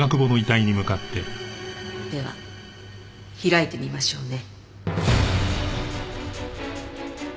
では開いてみましょうね。